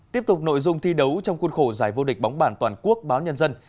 tiếp tục nội dung thi đấu trong khuôn khổ giải vô địch bóng bàn toàn quốc báo nhân dân